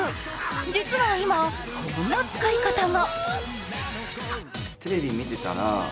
実は今、こんな使い方が。